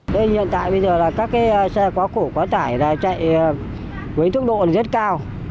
đây hiện tại bây giờ là các cái xe quá khổ quá tải là chạy với thức độ rất cao